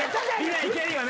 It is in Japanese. いけるよね。